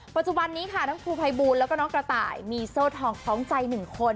ปัจจุบันนี้ค่ะทั้งครูภัยบูลแล้วก็น้องกระต่ายมีโซ่ทองคล้องใจหนึ่งคน